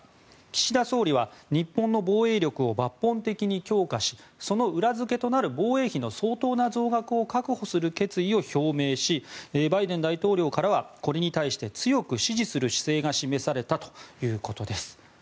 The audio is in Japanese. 岸田総理は日本の防衛力を抜本的に強化しその裏付けとなる防衛費の相当な増額を確保する決意を表明しバイデン大統領からはこれに対して強く支持する姿勢が示されたということです。